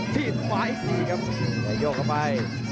ที่สุดท้ายอีกทีครับยกเข้าไป